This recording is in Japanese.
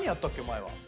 前は。